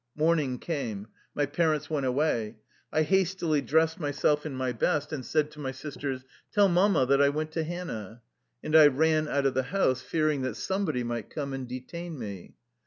Morning came. My parents went away. I hastily dressed myself in my best, and said to my sisters :" Tell Mamma that I went to Han nah." And I ran out of the house, fearing that somebody might come and detain me.